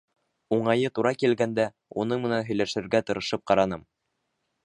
Уңайы тура килгәндә, уның менән һөйләшергә тырышып ҡараным.